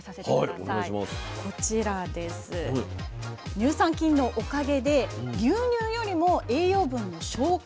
乳酸菌のおかげで牛乳よりも栄養分の消化